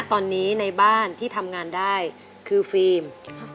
ตอนนี้ในบ้านที่ทำงานได้คือฟิล์ม